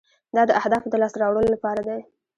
دا د اهدافو د لاسته راوړلو لپاره دی.